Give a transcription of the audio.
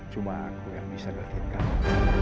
cuma aku yang bisa ngertiin kamu